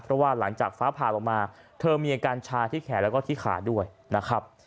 เพราะว่าหลังจากฟ้าผ่าลงมาเธอมีอาการชาที่แขนแล้วก็ที่ขาด้วยนะครับ